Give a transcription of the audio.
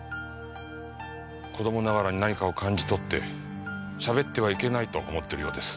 子供ながらに何かを感じ取ってしゃべってはいけないと思ってるようです。